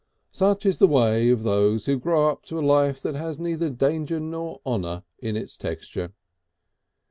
Such is the way of those who grow up to a life that has neither danger nor honour in its texture.